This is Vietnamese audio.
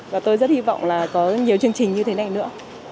và tôi rất hy vọng là có nhiều chương trình như thế này nữa